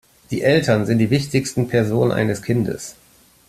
Die Eltern sind die wichtigsten Personen eines Kindes.